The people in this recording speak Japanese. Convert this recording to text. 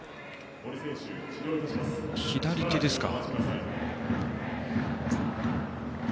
左手ですか。